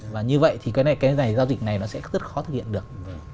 và như vậy thì cái này giao dịch này nó sẽ rất khó thực hiện được